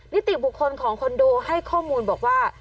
นิติบุคคลของคอนโดให้ข้อมูลบอกว่า